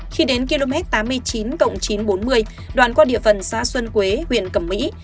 khi đến km tám mươi chín chín trăm bốn mươi đoạn qua địa phần xã xuân quế huyện cẩm mỹ